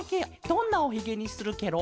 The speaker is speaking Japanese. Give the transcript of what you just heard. どんなおひげにするケロ？